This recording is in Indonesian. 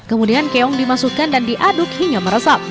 kemudian keong dimasukkan dan diaduk hingga meresap